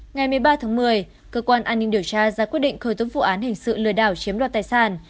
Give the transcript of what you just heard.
ngày một mươi ba tháng một mươi cơ quan an ninh điều tra ra quyết định khởi tố vụ án hình sự lừa đảo chiếm đoạt tài sản